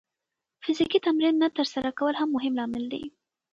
فزیکي تمرین نه ترسره کول هم مهم لامل دی.